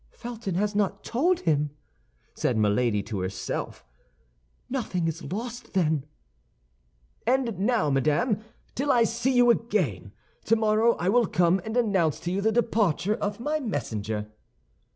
"Felton has not told him," said Milady to herself. "Nothing is lost, then." "And now, madame, till I see you again! Tomorrow I will come and announce to you the departure of my messenger."